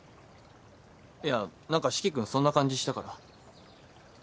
いや何か四鬼君そんな感じしたから。